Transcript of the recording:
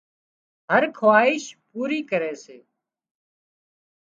هر خواهش پوري ڪري سي